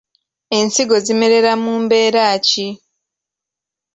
Ensigo zimerera mu mbeera ki?